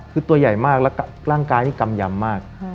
คือตัวใหญ่มากแล้วร่างกายนี่กำยำมาก